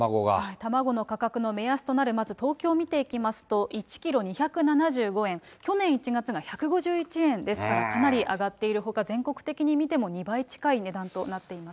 卵の価格の目安となる、まず東京見ていきますと、１キロ２７５円、去年１月が１５１円ですから、かなり上がっているほか、全国的に見ても２倍近い値段となっています。